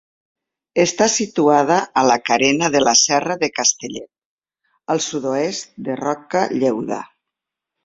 Està situada a la carena de la Serra de Castellet, al sud-oest de Roca Lleuda.